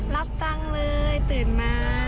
รับตังค์เลยตื่นมา